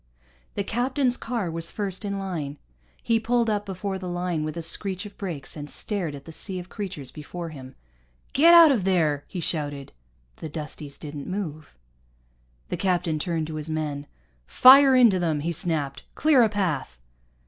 The captain's car was first in line. He pulled up before the line with a screech of brakes, and stared at the sea of creatures before him. "Get out of there!" he shouted. The Dusties didn't move. The captain turned to his men. "Fire into them," he snapped. "Clear a path."